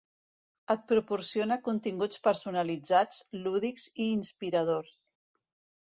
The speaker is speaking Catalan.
Et proporciona continguts personalitzats, lúdics i inspiradors.